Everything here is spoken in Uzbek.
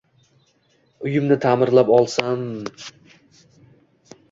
Uyimni ta’mirlab olsam…